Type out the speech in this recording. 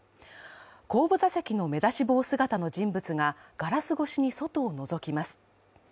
後部座席の目出し帽姿の人物がガラス越しに外をのぞきます。